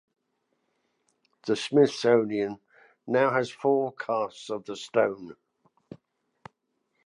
The Smithsonian now has four casts of the stone.